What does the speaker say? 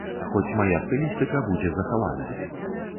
Хоць мая стылістыка будзе захаваная.